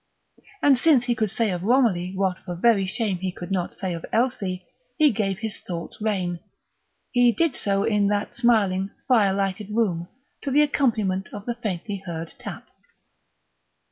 And since he could say of Romilly what for very shame he could not say of Elsie, he gave his thoughts rein. He did so in that smiling, fire lighted room, to the accompaniment of the faintly heard tap.